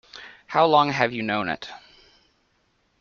How long have you known it?